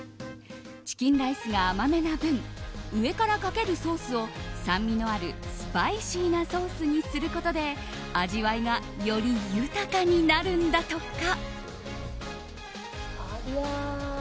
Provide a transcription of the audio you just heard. チキンライスが甘めな分上からかけるソースを酸味のあるスパイシーなソースにすることで味わいがより豊かになるんだとか。